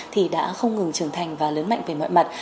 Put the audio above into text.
thì đã không ngừng trưởng thành và lớn mạnh về mọi mặt